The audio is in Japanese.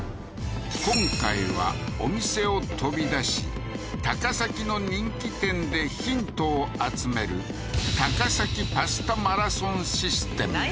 今回はお店を飛び出し高崎の人気店でヒントを集める高崎パスタマラソンシステムです